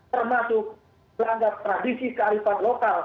termasuk melanggar tradisi kearifan lokal